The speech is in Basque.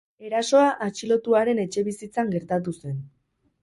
Erasoa atxilotuaren etxebizitzan gertatu zen.